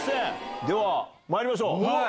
ではまいりましょう。